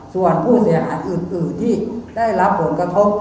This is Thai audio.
ส่วนผู้เสียหายอื่นที่ได้รับผลกระทบ